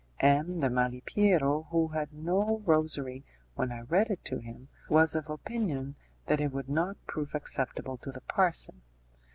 M. de Malipiero, who had no rosary when I read it to him, was of opinion that it would not prove acceptable to the parson.